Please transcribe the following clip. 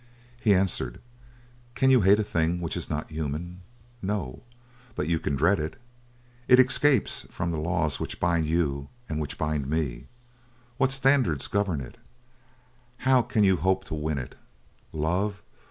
He answered: "Can you hate a thing which is not human? No, but you can dread it. It escapes from the laws which bind you and which bind me. What standards govern it? How can you hope to win it? Love?